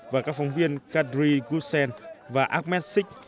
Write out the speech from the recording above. và các phóng viên kadri ghusen và ahmed sik